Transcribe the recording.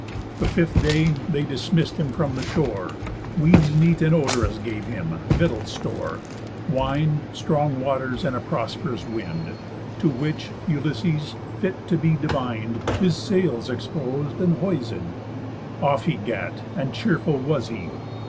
The fifth day, they dismiss'd him from the shore, Weeds neat, and odorous, gave him, victuals store, Wine, strong waters, and a prosp'rous wind, To which, Ulysses, fit to be divin'd, His sails expos'd, and hoiséd. Off he gat; And cheerful was he.